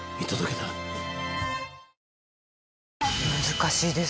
難しいです。